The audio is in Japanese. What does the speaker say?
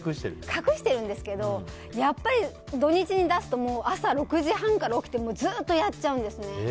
隠してるんですけどやっぱり土日に出すと朝６時半から起きてずっとやっちゃうんですね。